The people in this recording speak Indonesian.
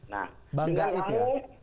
nah dengan kamu